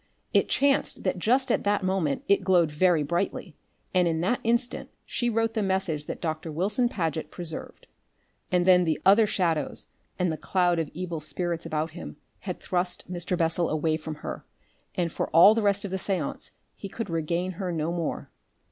It chanced that just at that moment it glowed very brightly, and in that instant she wrote the message that Doctor Wilson Paget preserved. And then the other shadows and the cloud of evil spirits about him had thrust Mr. Bessel away from her, and for all the rest of the seance he could regain her no more.